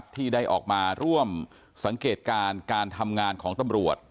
ที่ได้ออกมาร่วมสังเกตการณ์การทำงานของตำรวจ